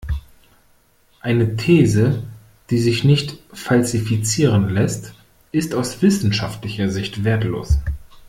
Eine These, die sich nicht falsifizieren lässt, ist aus wissenschaftlicher Sicht wertlos.